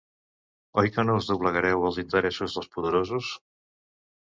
Oi que no us doblegareu als interessos dels poderosos?